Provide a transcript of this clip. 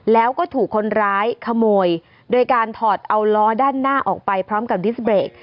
แล้วก็ถูกคนร้ายขโมยโดยการถอดเอาล้อด้านหน้าออกไปพร้อมกับดิสเบรก